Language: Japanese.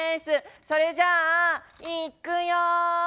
それじゃあいくよ！